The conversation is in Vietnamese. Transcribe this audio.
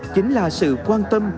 chính là sự quan tâm